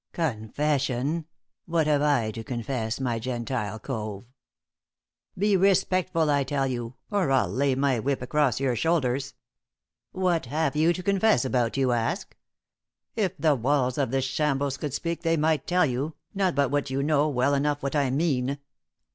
"Confession? What have I to confess, my Gentile cove?" "Be respectful, I tell you, or I'll lay my whip across your shoulders! 'What have you to confess about,' you ask? If the walls of this shambles could speak they might tell you, not but what you know well enough what I mean."